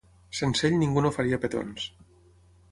Sense ell ningú no faria petons.